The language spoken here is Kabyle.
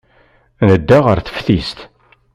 Nedda ɣer teftist.